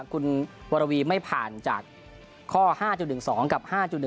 คุณวรวีไม่ผ่านจากข้อ๕๑๒กับ๕๑